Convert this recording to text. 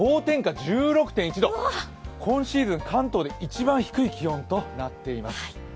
１６．１度今シーズン、関東で一番低い気温となっています。